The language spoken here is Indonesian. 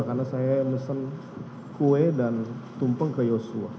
karena saya mesen kue dan tumpeng ke joshua